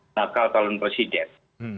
bakal talent presiden